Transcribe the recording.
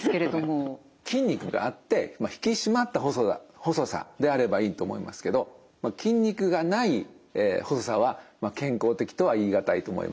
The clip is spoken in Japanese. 筋肉があって引き締まった細さであればいいと思いますけど筋肉がない細さは健康的とは言いがたいと思います。